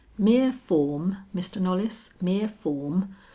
"Mere form, Mr. Knollys mere form.